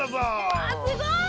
わすごい。